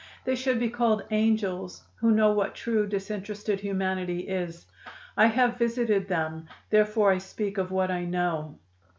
They should be called 'angels,' who know what true, disinterested humanity is. I have visited them, therefore I speak of what I know.